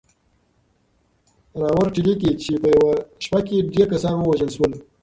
راورټي ليکي چې په يوه شپه کې ډېر کسان ووژل شول.